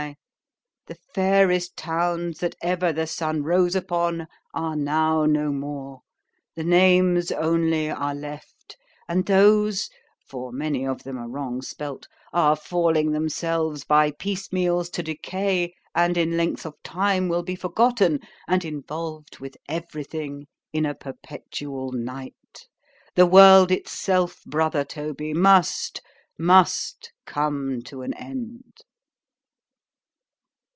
_ The fairest towns that ever the sun rose upon, are now no more; the names only are left, and those (for many of them are wrong spelt) are falling themselves by piece meals to decay, and in length of time will be forgotten, and involved with every thing in a perpetual night: the world itself, brother Toby, must—must come to an end.